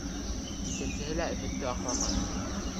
Икенсеһе лә өмөттө аҡламаны.